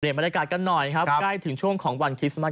ในบรรยากาศก็หน่อยใกล้ถึงของวันคิสตโมด์